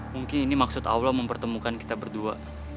mungkin ini maksud allah mempertemukan kita berdua